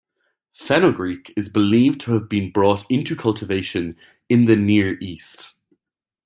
Fenugreek is believed to have been brought into cultivation in the Near East.